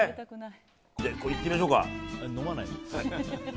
これいってみましょうか。